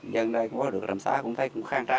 nhân đây cũng có được